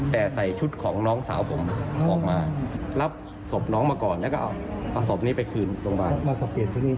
แต่ใส่ชุดของน้องสาวผมออกมารับศพน้องมาก่อนคือก็เอาศพไปพลบ้าน